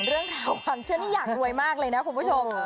เรื่องราวความเชื่อนี่อยากรวยมากเลยนะคุณผู้ชม